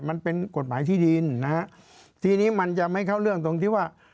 มันเป็นกฎหมายที่ดินนะฮะทีนี้มันจะไม่เข้าเรื่องตรงที่ว่า